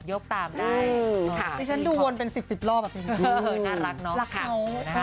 ด้านทางวงการบรรเทอร์ของน้อง